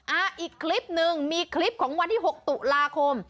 อีกคลิปหนึ่งมีคลิปของวันที่๖ตุลาคม